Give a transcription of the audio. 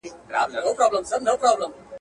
نه یې حال نه یې راتلونکی معلومېږي.